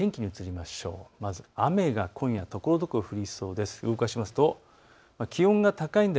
まず雨が今夜、ところどころ降りそうです。